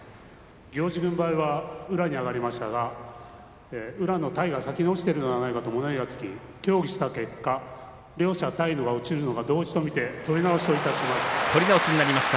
行司軍配は宇良に上がりましたが宇良の体が先に落ちているのではないかと物言いがつき、協議した結果両者、体が落ちるのが同時と見て取り直しといたします。